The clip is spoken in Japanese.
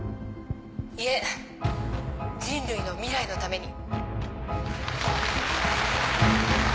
いえ人類の未来のために。